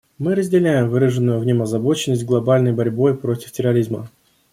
Мы разделяем выраженную в нем озабоченность глобальной борьбой против терроризма.